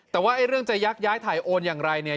แต่ว่าเรื่องจะยักย้ายถ่ายโอนอย่างไรเนี่ย